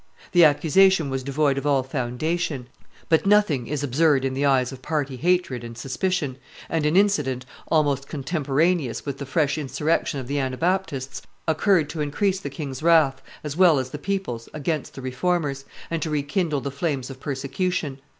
] The accusation was devoid of all foundation; but nothing is absurd in the eyes of party hatred and suspicion, and an incident, almost contemporaneous with the fresh insurrection of the Anabaptists, occurred to increase the king's wrath, as well as the people's, against the Reformers, and to rekindle the flames of persecution.